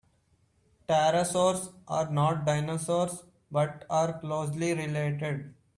Pterosaurs are not dinosaurs but are closely related.